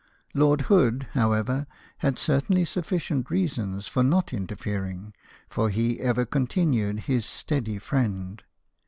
Lord Hood, however, had certainly sufficient reasons for not interfering, for he ever con tinued his steady friend.